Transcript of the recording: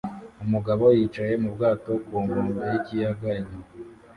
Umugabo yicaye mu bwato ku nkombe n'ikiyaga inyuma